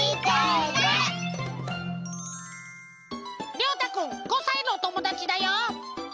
りょうたくん５さいのおともだちだよ。